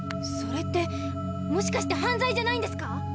それってもしかして犯罪じゃないんですか？